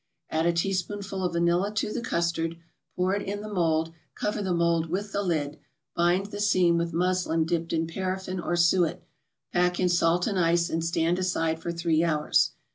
Add a teaspoonful of vanilla to the custard, pour it in the mold, cover the mold with the lid, bind the seam with muslin dipped in paraffin or suet, pack in salt and ice, and stand aside for three hours.